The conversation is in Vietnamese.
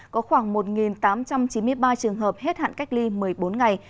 có khoảng một tám trăm chín mươi ba trường hợp hết hạn cách ly một mươi bốn ngày